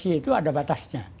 diskresi itu ada batasnya